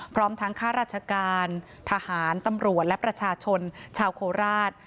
พร้อมทั้งข้าราชการทหารตำรวจและประชาชนชาวโคราช